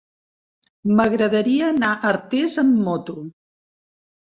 M'agradaria anar a Artés amb moto.